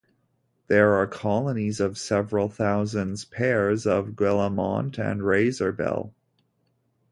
There are colonies of several thousands pairs of guillemot and razorbill.